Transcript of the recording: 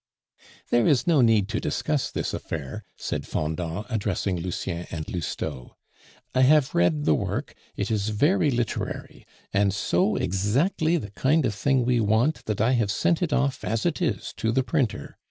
"There is no need to discuss this affair," said Fendant, addressing Lucien and Lousteau. "I have read the work, it is very literary, and so exactly the kind of thing we want, that I have sent it off as it is to the printer.